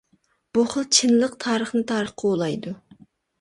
بۇ خىل چىنلىق تارىخنى تارىخقا ئۇلايدۇ.